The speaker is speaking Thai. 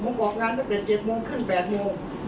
ผมออกงานตั้งแต่เจ็บโมงขึ้นแปดโมง